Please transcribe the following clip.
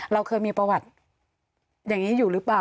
เราเคยมีประวัติอย่างนี้อยู่หรือเปล่า